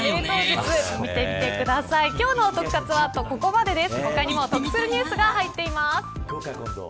今日のトク活はここまでです。